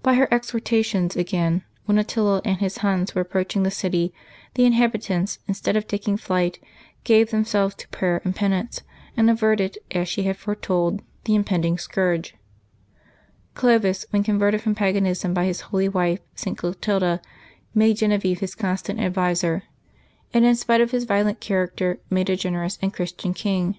By her exhortations again, when Attila and his Huns were approaching the city, the inhabitants, instead of taking flight, gave themselves to prayer and penance, and averted, as she had foretold, the impending scourge. Clovis, when converted from paganism by his Januaky 4] LIVES OF THE SAINTS 25 holy wife, St. Clotilda, made Genevieve his constant ad viser, and, in spite of his violent character, made a gen erous and Christian king.